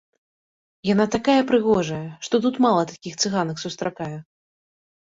Яна такая прыгожая, што тут мала такіх цыганак сустракаю.